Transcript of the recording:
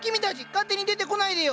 勝手に出てこないでよ！